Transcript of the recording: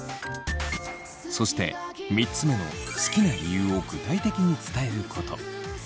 そして３つ目の好きな理由を具体的に伝えること。